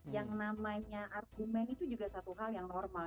yang namanya argumen itu juga satu hal yang normal